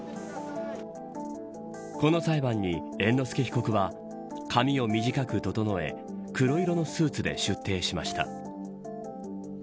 この裁判に猿之助被告は髪を短く整え黒色のスーツで出廷しました。